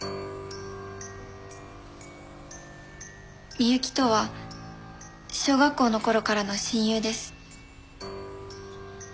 美雪とは小学校の頃からの親友です。